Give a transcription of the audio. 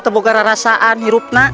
tebuk gara rasaan hirup nak